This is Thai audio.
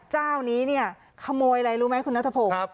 เจ้านี้เนี่ยขโมยอะไรรู้ไหมคุณนัทพงศ์